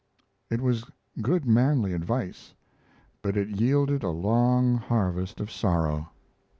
It was good manly advice, but it yielded a long harvest of sorrow.